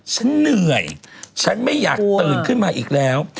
ฉันเหนื่อยฉันไม่อยากตื่นขึ้นมาอีกแล้ว